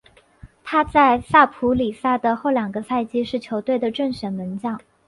他在萨普里萨的后两个赛季是球队的正选门将。